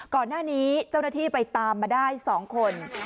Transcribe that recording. ก่อนหน้านี้เจ้าหน้าที่ไปตามมาได้๒คน